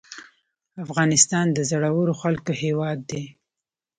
افغانستان د زړورو خلکو هیواد دی